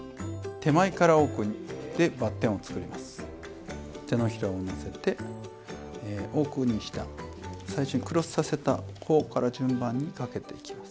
手のひらをのせて奥にした最初にクロスさせた方から順番にかけていきます。